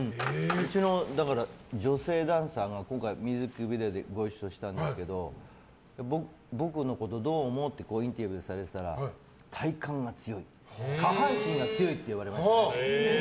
うちの女性ダンサーが今回ミュージックビデオでご一緒したんですけど僕のことどう思う？ってインタビューされてたら体幹が強い下半身が強いって言われましたね。